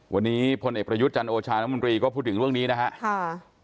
วันนี้พลเอกประยุทธ์จันโอชาน้ำมนตรีก็พูดถึงเรื่องนี้นะครับ